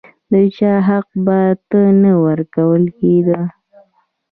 د چا حق بل ته نه ورکول کېده.